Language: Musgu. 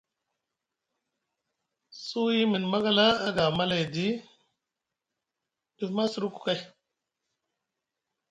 Suwi miŋ magala aga a mala edi ɗif ma a suɗuku kay.